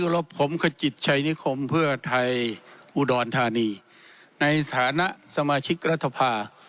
รบผมขจิตชัยนิคมเพื่อไทยอุดรธานีในฐานะสมาชิกรัฐภา